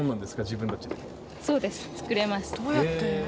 どうやって？